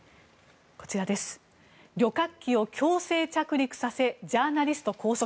旅客機を強制着陸させジャーナリスト拘束。